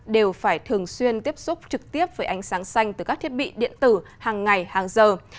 đều phải thường xuyên tiếp xúc trực tiếp với ánh sáng xanh từ các thiết bị điện tử hàng ngày hàng giờ